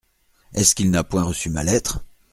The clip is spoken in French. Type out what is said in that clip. Est-ce qu’il n’a point reçu ma lettre ?